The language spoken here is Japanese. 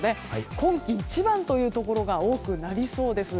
今季一番というところが多くなりそうです。